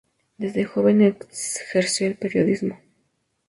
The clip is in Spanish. Desde joven ejerció el periodismo.